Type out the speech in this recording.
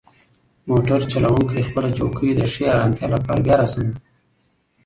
موټر چلونکی خپله چوکۍ د ښې ارامتیا لپاره بیا راسموي.